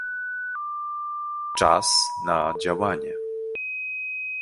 Czas na działanie